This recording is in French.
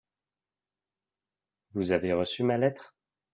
Vous avez reçu ma lettre ?